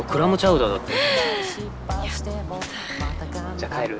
じゃあ帰る？